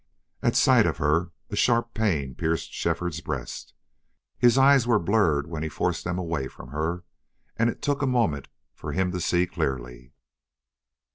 At sight of her a sharp pain pierced Shefford's breast. His eyes were blurred when he forced them away from her, and it took a moment for him to see clearly.